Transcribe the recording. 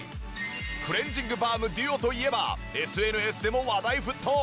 クレンジングバームＤＵＯといえばＳＮＳでも話題沸騰！